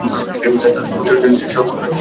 তাহার সর্বস্বের জন্য সে সর্বস্বই পণ করিয়া বসিল।